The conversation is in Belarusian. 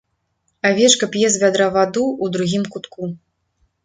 Авечка п'е з вядра ваду ў другім кутку.